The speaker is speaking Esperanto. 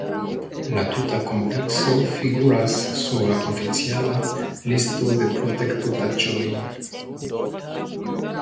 La tuta komplekso figuras sur la oficiala listo de protektotaĵoj.